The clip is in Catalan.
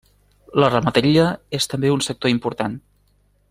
La ramaderia és també un sector important.